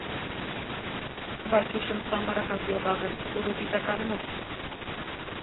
Васюшын самырыкак йога гын, тудо титакан мо?